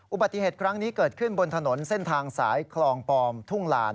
อุบัติเหตุครั้งนี้เกิดขึ้นบนถนนเส้นทางสายคลองปลอมทุ่งลาน